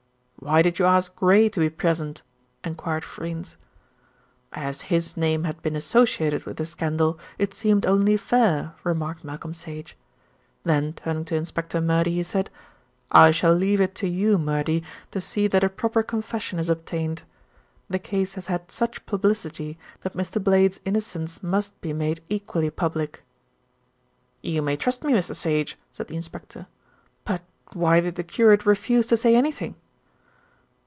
"Why did you ask Gray to be present?" enquired Freynes. "As his name had been associated with the scandal it seemed only fair," remarked Malcolm Sage, then turning to Inspector Murdy he said, "I shall leave it to you, Murdy, to see that a proper confession is obtained. The case has had such publicity that Mr. Blade's innocence must be made equally public." "You may trust me, Mr. Sage," said the inspector. "But why did the curate refuse to say anything?"